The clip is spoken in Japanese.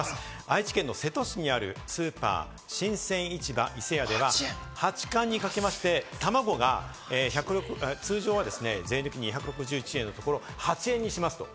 愛知県の瀬戸市にあるスーパー、新鮮市場いせやでは八冠にかけまして、卵が、通常は税抜き２６１円のところを８円にしますと。